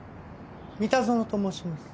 三田園と申します。